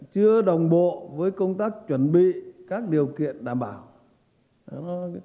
chưa đồng bộ với công tác chuẩn bị các điều kiện đảm bảo